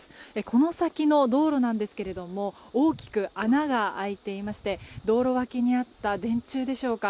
この先の道路なんですけれども大きく穴が開いていまして道路脇にあった電柱でしょうか。